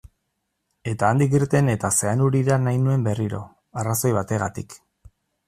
Eta handik irten eta Zeanurira nahi nuen berriro, arrazoi bategatik.